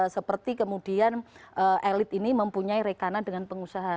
seperti kemudian elit ini mempunyai rekanan dengan pengusaha